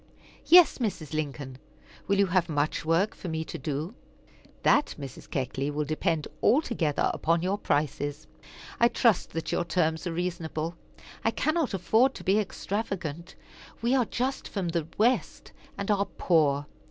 "Yes, Mrs. Lincoln. Will you have much work for me to do?" "That, Mrs. Keckley, will depend altogether upon your prices. I trust that your terms are reasonable. I cannot afford to be extravagant. We are just from the West, and are poor.